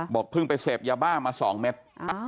เพิ่งไปเสพยาบ้ามา๒เม็ด